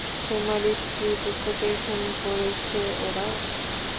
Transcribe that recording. তোমার স্ত্রী-পুত্রকে খুন করেছে ওরা।